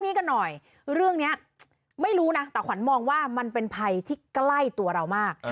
นี่กันหน่อยเรื่องนี้ไม่รู้นะแต่ขวัญมองว่ามันเป็นภัยที่ใกล้ตัวเรามาก